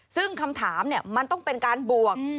ซึ่งคำถามมันต้องเป็นการบวก